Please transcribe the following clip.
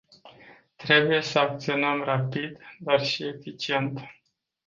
Trebuie să acționăm rapid, dar și eficient.